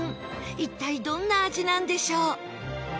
一体、どんな味なんでしょう？